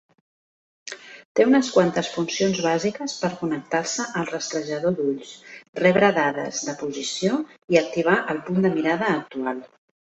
Té unes quantes funcions bàsiques per connectar-se al rastrejador d'ulls, rebre dades de posició i activar el punt de mirada actual.